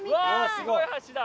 すごい橋だ。